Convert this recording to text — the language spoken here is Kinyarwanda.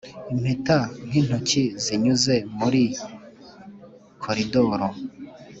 impeta nk'intoki zinyuze muri koridoro,